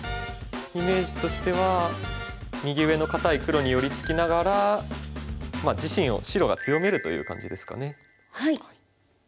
イメージとしては右上の堅い黒に寄り付きながら自身を白が強めるという感じですかね。